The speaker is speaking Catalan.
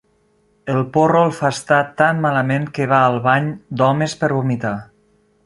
El porro el fa estar tan malament que va al bany d'homes per vomitar.